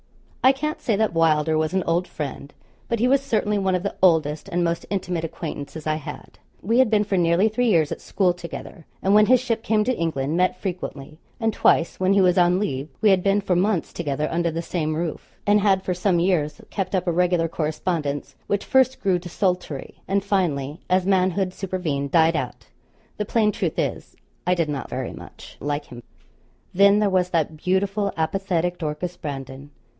I can't say that Wylder was an old friend. But he was certainly one of the oldest and most intimate acquaintances I had. We had been for nearly three years at school together; and when his ship came to England, met frequently; and twice, when he was on leave, we had been for months together under the same roof; and had for some years kept up a regular correspondence, which first grew desultory, and finally, as manhood supervened, died out. The plain truth is, I did not very much like him. Then there was that beautiful apathetic Dorcas Brandon.